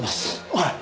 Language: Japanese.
おい。